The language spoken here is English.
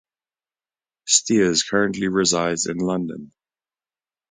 Steers currently resides in London.